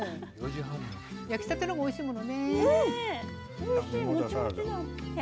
焼きたても、おいしいものね。